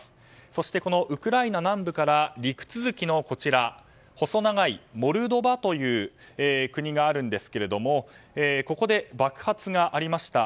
そしてウクライナ南部から陸続きの細長いモルドバという国があるんですがここで爆発がありました。